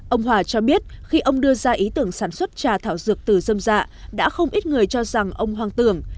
ông hòa cho biết khi ông đưa ra ý tưởng sản xuất trà thảo dược từ dơm dạ đã không ít người cho rằng ông hoàng tưởng